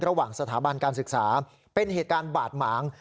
ระหว่างสถาบันการศึกษาเป็นเหตุการณ์บาดหมาง